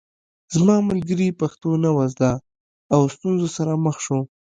زما ملګري پښتو نه وه زده او ستونزو سره مخ شو